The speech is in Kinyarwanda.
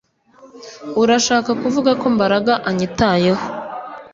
Urashaka kuvuga ko Mbaraga anyitayeho